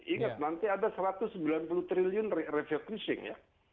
ingat nanti ada satu ratus sembilan puluh triliun refocusing ya